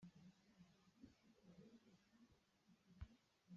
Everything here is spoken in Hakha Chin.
Mi chawnhkhianh duh lo cu a ṭha lo.